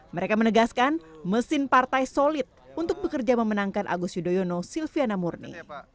mereka menegaskan mesin partai solid untuk bekerja memenangkan agus yudhoyono silviana murni